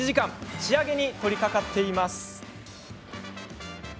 仕上げに取りかかっています。